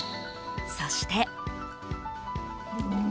そして。